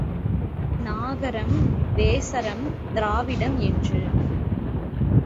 நாகரம், வேசரம், திராவிடம் என்று.